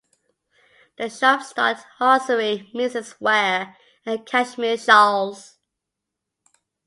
The shop stocked hosiery, misses' wear, and cashmere shawls.